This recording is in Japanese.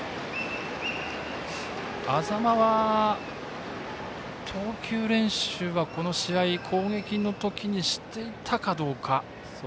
安座間は投球練習は、この試合攻撃の時にしていたかどうか。